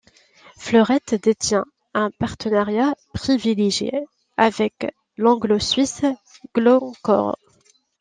Fleurette détient un partenariat privilégié avec l'anglo-suisse Glencore.